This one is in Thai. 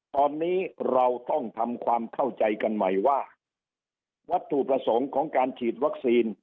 ตอนนี้เราต้องทำความเข้าใจกันใหม่ว่าวัตถุประสงค์ของการฉีดวัคซีน